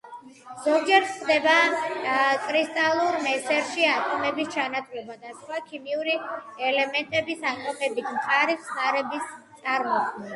ზოგჯერ ხდება კრისტალურ მესერში ატომების ჩანაცვლება სხვა ქიმიური ელემენტის ატომებით, მყარი ხსნარების წარმოქმნით.